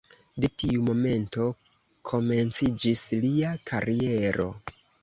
De tiu momento komenciĝis lia kariero.